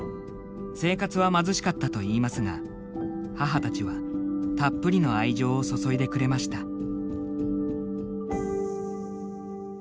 生活は貧しかったといいますが母たちはたっぷりの愛情を注いでくれました。